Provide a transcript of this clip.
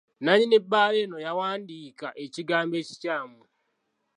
Nannyini bbaala eno yawandiika ekigambo ekikyamu.